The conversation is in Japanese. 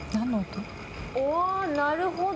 おおなるほど。